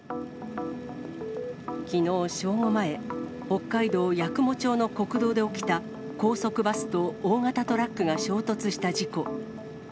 きのう正午前、北海道八雲町の国道で起きた、高速バスと大型トラックが衝突した事故。